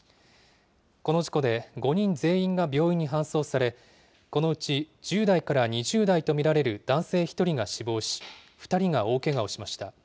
この事故で５人全員が病院に搬送され、このうち１０代から２０代と見られる男性１人が死亡し、２人が大けがをしました。